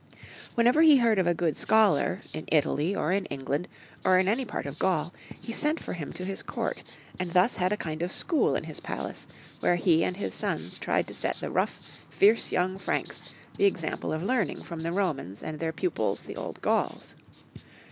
Wherever he heard of a good scholar, in Italy or in England, or in any part of Gaul, he sent for him to his court, and thus had a kind of school in his palace, where he and his sons tried to set the rough, fierce young Franks the example of learning from the Romans and their pupils the old Gauls.